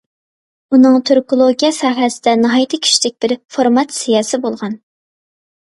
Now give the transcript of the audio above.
ئۇنىڭ تۈركولوگىيە ساھەسىدە ناھايىتى كۈچلۈك بىر فورماتسىيەسى بولغان.